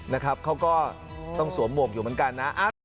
นะครับเขาก็ต้องสวมหมวกอยู่เหมือนกันนะ